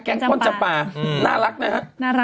แก๊งต้นจำปลาน่ารักนะครับ